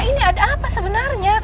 ini ada apa sebenarnya